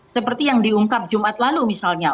seperti yang diungkap jumat lalu misalnya